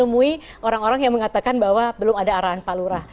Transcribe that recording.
menemui orang orang yang mengatakan bahwa belum ada arahan pak lurah